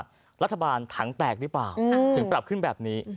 รัฐบาลถังแตกหรือเปล่าถึงปรับขึ้นแบบนี้